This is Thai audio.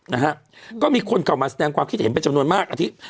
นะฮะก็มีคนเข้ามาแสดงความคิดเห็นเป็นจำนวนมากอาทิตย